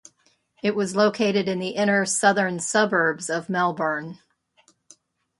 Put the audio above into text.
It was located in the inner southern suburbs of Melbourne.